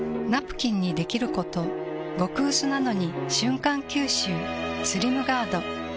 ナプキンにできること極うすなのに瞬間吸収「スリムガード」